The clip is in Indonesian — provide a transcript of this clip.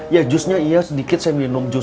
ya jusnya iya sedikit saya minum jus